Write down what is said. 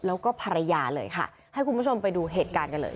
แล้วก็ภรรยาเลยค่ะให้คุณผู้ชมไปดูเหตุการณ์กันเลย